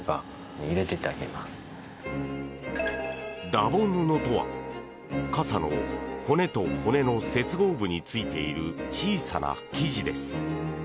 ダボ布とは傘の骨と骨の接合部についている小さな生地です。